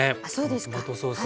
このトマトソース。